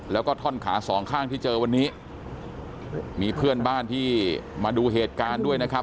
แล้วก็ท่อนขาสองข้างที่เจอวันนี้มีเพื่อนบ้านที่มาดูเหตุการณ์ด้วยนะครับ